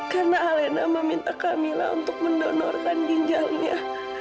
karena alina meminta kamila untuk mendonorkan ginjalnya